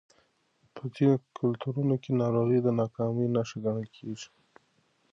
په ځینو کلتورونو کې ناروغي د ناکامۍ نښه ګڼل کېږي.